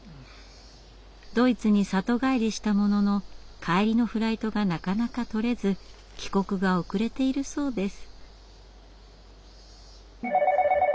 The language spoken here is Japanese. ドイツに里帰りしたものの帰りのフライトがなかなか取れず帰国が遅れているそうです。